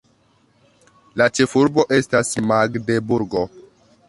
La ĉefurbo estas Magdeburgo.